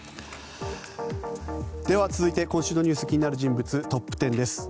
では続いて今週の気になる人物トップ１０です。